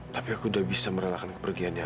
tapi aku udah bisa merelakan kepergiannya